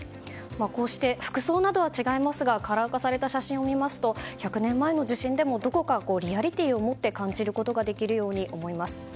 こうして服装などは違いますがカラー化された写真を見ますと１００年前の地震でもどこかリアリティーを持って感じることができるように思います。